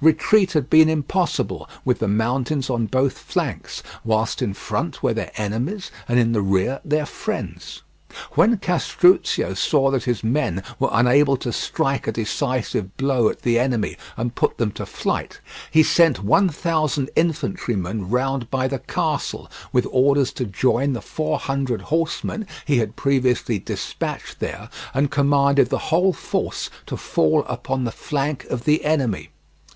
Retreat had been impossible, with the mountains on both flanks, whilst in front were their enemies, and in the rear their friends. When Castruccio saw that his men were unable to strike a decisive blow at the enemy and put them to flight, he sent one thousand infantrymen round by the castle, with orders to join the four hundred horsemen he had previously dispatched there, and commanded the whole force to fall upon the flank of the enemy.